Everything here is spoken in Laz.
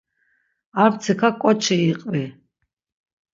Armtsika ǩoçi iqvi.